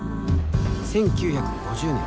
１９５０年